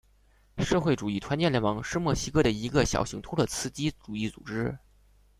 社会主义团结联盟是墨西哥的一个小型托洛茨基主义组织。